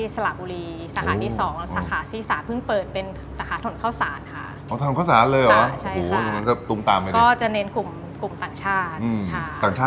สาขาที่สามเพิ่งเปิดเป็นสาขาถนข้าวซานค่ะ